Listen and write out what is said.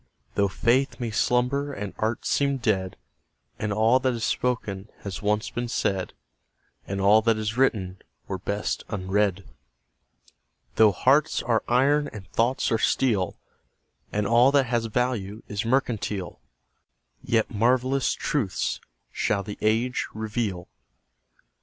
Though faith may slumber and art seem dead, And all that is spoken has once been said, And all that is written were best unread; Though hearts are iron and thoughts are steel, And all that has value is mercantile, Yet marvellous truths shall the age reveal.